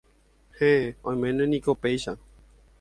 Héẽ, oiméne niko péicha